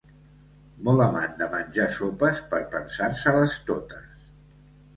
Molt amant de menjar sopes per pensar-se-les totes.